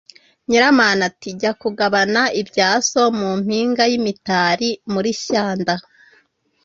nyiramana ati: “jya kugabana ibya so mu mpinga y’imitari muri shyanda